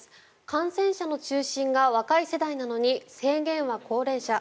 感染者の中心が若い世代なのに制限は高齢者。